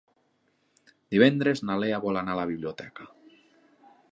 Divendres na Lea vol anar a la biblioteca.